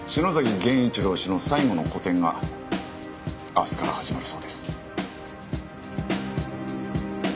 源一郎氏の最後の個展が明日から始まるそうです。